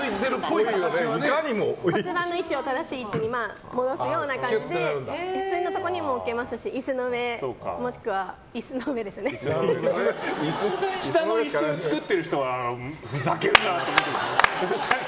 骨盤の位置を正しい位置に戻す感じで普通のとこにも置けますし椅子の上下の椅子作ってる人はふざけるなって思ってるでしょ。